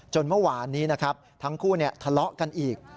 จนเมื่อวานนี้ทั้งคู่ทะเลาะกันอีก